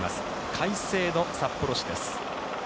快晴の札幌市です。